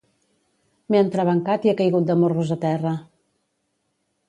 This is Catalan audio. M'he entrebancat i he caigut de morros a terra